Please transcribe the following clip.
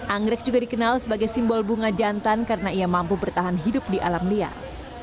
anggrek juga dikenal sebagai simbol bunga jantan karena ia mampu bertahan hidup di alam liar